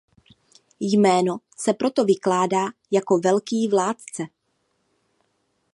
Jméno se proto vykládá jako "Velký vládce".